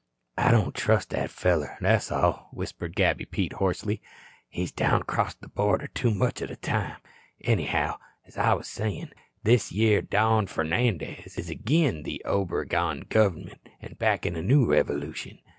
"I don't trust that feller, that's all," whispered Gabby Pete hoarsely. "He's down acrost the border too much o' the time. Anyhow, as I was sayin', this yere Don Fernandez is agin the Obregon gov'ment an' backin' a new revolution.